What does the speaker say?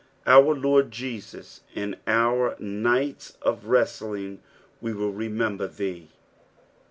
■ O Lord Jesus, in our nights uf wrestling we will remember thee.